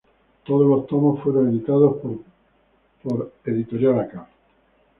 Todos los tomos fueron editados por Princeton University Press.